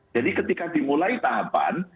jadi ketika dimulai tahapan